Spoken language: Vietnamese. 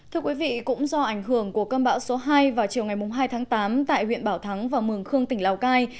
thưa quý vị cũng do ảnh hưởng của cơn bão số hai vào chiều ngày hai tháng tám tại huyện bảo thắng và mường khương tỉnh lào cai